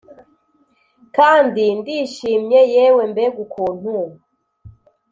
kandi ndishimye, yewe mbega ukuntu!